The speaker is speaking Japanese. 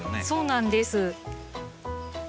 そうなんです。